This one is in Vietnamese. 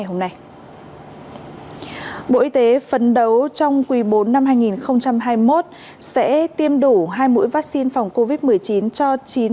bộ y tế phấn đấu trong quỳ bốn năm hai nghìn hai mươi một sẽ tiêm đủ hai mũi vaccine phòng covid một mươi chín cho chín mươi năm